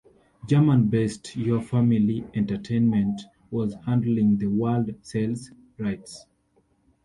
German-based Your Family Entertainment was handling the world sales rights.